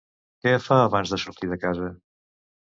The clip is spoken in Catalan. Què fa abans de sortir de casa?